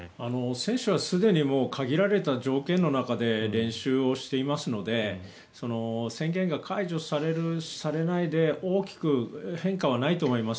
選手はすでに限られた条件の中で練習をしていますので宣言が解除される、されないで大きく変化はないと思います。